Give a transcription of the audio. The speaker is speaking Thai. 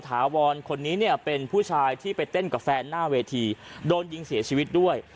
ถาวรคนนี้เนี่ยเป็นผู้ชายที่ไปเต้นกับแฟนหน้าเวทีโดนยิงเสียชีวิตด้วย